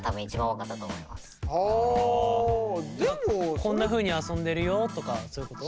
こんなふうに遊んでるよとかそういうこと？